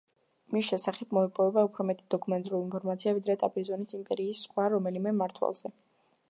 მის შესახებ მოიპოვება უფრო მეტი დოკუმენტური ინფორმაცია, ვიდრე ტრაპიზონის იმპერიის სხვა რომელიმე მმართველზე.